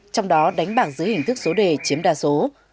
trong đó đánh bảng dưới hình thức số đề chiếm đa số